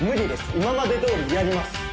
今までどおりやります。